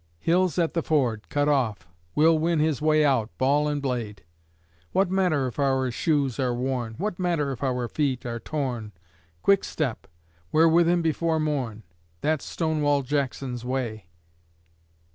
Hill's at the ford, cut off; we'll win His way out, ball and blade. What matter if our shoes are worn? What matter if our feet are torn? Quick step! We're with him before morn That's Stonewall Jackson's way.